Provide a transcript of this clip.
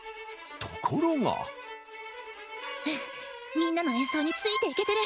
みんなの演奏についていけてる！